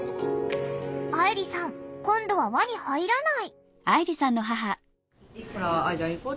あいりさん今度は輪に入らない。